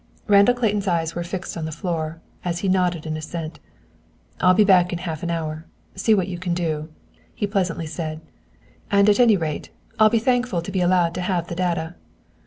Randall Clayton's eyes were fixed on the floor, as he nodded an assent. "I'll be back in half an hour. See what you can do," he pleasantly said. "And at any rate, I'll be thankful to be allowed to have the data."